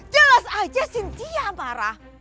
jelas aja sintia marah